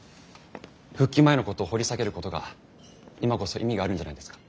復帰前のことを掘り下げることが今こそ意味があるんじゃないですか？